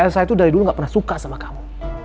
saya itu dari dulu gak pernah suka sama kamu